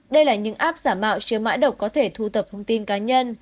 đây là những app giả mạo chiếu mãi độc có thể thu tập thông tin cá nhân